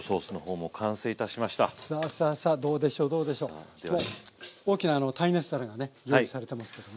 もう大きな耐熱皿がね用意されてますけれどもね。